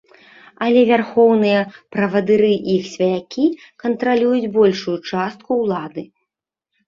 Але вярхоўныя правадыры і іх сваякі кантралююць большую частку ўлады.